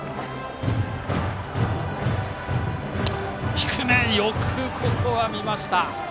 低め、よくここは見ました。